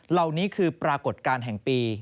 เหล่านี้คือปรากฏการณ์แห่งปี